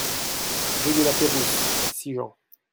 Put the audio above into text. Rue de la Pérouse, Sigean